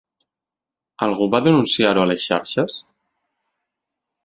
Algú va denunciar-ho a les xarxes?